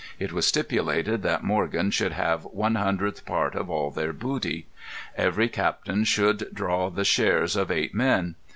It was stipulated that Morgan should have one hundredth part of all their booty. Every captain should draw the shares of eight men.